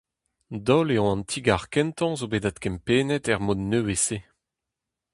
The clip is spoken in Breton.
Dol eo an ti-gar kentañ zo bet adkempennet er mod nevez-se.